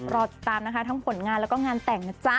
รอติดตามนะคะทั้งผลงานแล้วก็งานแต่งนะจ๊ะ